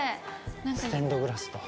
ステンドグラスと。